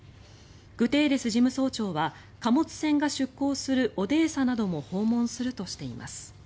グテーレス事務総長は貨物船が出港するオデーサなども訪問するとしています。